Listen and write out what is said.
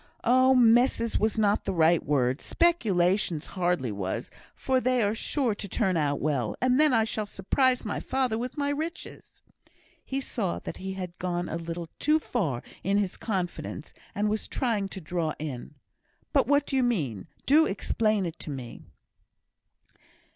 "Oh! messes was not the right word. Speculations hardly was; for they are sure to turn out well, and then I shall surprise my father with my riches." He saw that he had gone a little too far in his confidence, and was trying to draw in. "But, what do you mean? Do explain it to me."